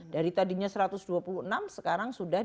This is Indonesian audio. dari tadinya satu ratus dua puluh enam sekarang sudah